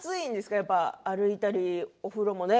やっぱり歩いたり、お風呂もね。